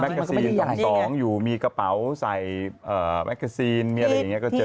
กาซีน๒๒อยู่มีกระเป๋าใส่แมกกาซีนมีอะไรอย่างนี้ก็เจอ